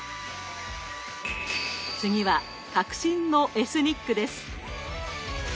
次は革新のエスニックです。